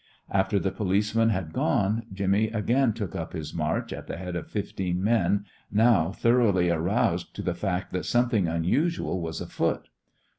After the policeman had gone, Jimmy again took up his march at the head of fifteen men, now thoroughly aroused to the fact that something unusual was afoot.